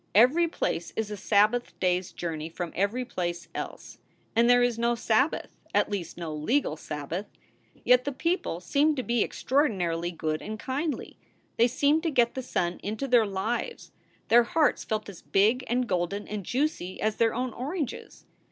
Every place is a Sabbath day s journey from every place else. And there is no Sabbath at least no legal Sabbath. Yet the people seemed to be extraordinarily good and kindly. They seemed to get the sun into their lives. Their hearts felt as big and golden and juicy as their own oranges.